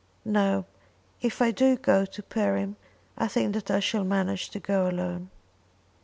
No; if I do go to Perim I think that I shall manage to go alone."